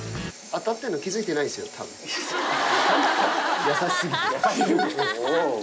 当たってるの気付いてないですよ、優しすぎて。